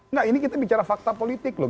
nah ini kita bicara fakta politik loh